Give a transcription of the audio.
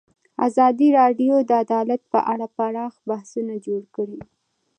ازادي راډیو د عدالت په اړه پراخ بحثونه جوړ کړي.